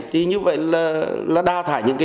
thì như vậy là đa thải những